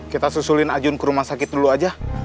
kita susulin ajun ke rumah sakit dulu aja